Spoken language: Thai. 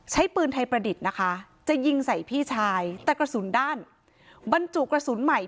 ใช้ปืนไทยประดิษฐ์นะคะจะยิงใส่พี่ชายแต่กระสุนด้านบรรจุกระสุนใหม่